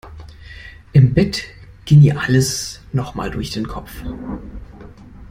Im Bett ging ihr alles noch mal durch den Kopf.